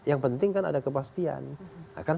yang penting kan ada kepastian akan